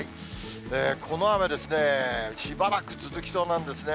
この雨ですね、しばらく続きそうなんですね。